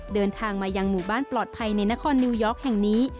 เดินทางมายังหมู่บ้านปลอดภัยในนครนิวยอร์กแห่งนี้